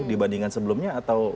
dibandingkan sebelumnya atau